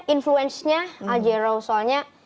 influencenya al jero soalnya